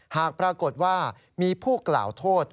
หากปรากฏว่ามีผู้กล่าวโทษ